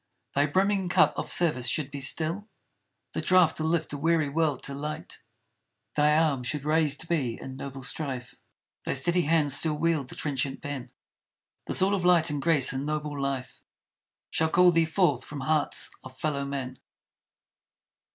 Thy brimming cup of service should be still The draught to lift a weary world to light. Thy arm should raiséd be in noble strife; Thy steady hand still wield the trenchant pen; Thus all of light and grace and noble life Shall call thee forth from hearts of fellowmen!